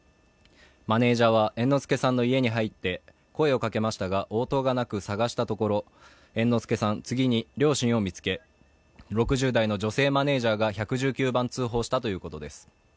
マネージャーは猿之助の家に入って声をかけましたが応答がなく捜したところ、猿之助さん、次に両親を見つけ、６０代の女性マネージャーが１１０番通報したということです。